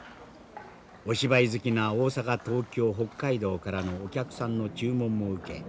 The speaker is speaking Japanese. お芝居好きな大阪東京北海道からのお客さんの注文も受け